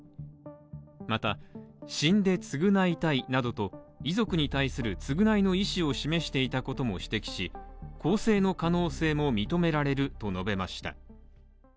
また、死んで償いたいなどと遺族に対する償いの意思を示していたことも指摘し、更生の可能性も認められると述べました。